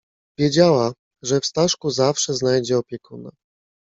"Wiedziała, że w Staszku zawsze znajdzie opiekuna."